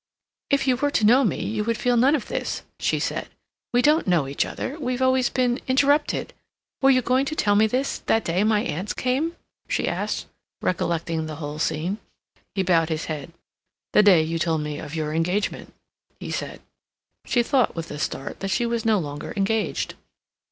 "If you were to know me you would feel none of this," she said. "We don't know each other—we've always been—interrupted.... Were you going to tell me this that day my aunts came?" she asked, recollecting the whole scene. He bowed his head. "The day you told me of your engagement," he said. She thought, with a start, that she was no longer engaged.